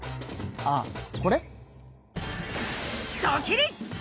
ああこれ？